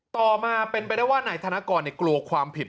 ต่อมาเป็นไปได้ว่านายธนกรกลัวความผิด